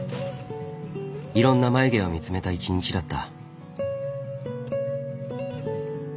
いろんな眉毛を見つめた一日だった。